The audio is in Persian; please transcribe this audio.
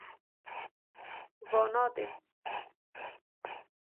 وانادیم